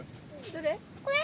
どれ？